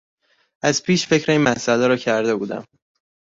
از پیش فکر این مسئله را کرده بودم.